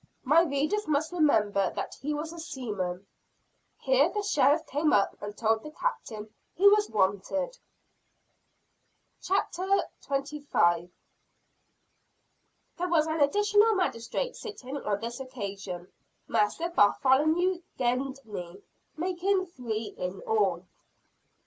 My readers must remember that he was a seaman. Here the sheriff came up and told the Captain he was wanted. CHAPTER XXV. Captain Alden before the Magistrates. There was an additional magistrate sitting on this occasion, Master Bartholomew Gedney making three in all.